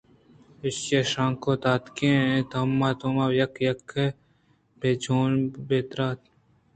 ایشی ءِ شانک داتگیں توامیں توماں یکّ یکّ ءَ بِہ چِن ءُ بِہ براِت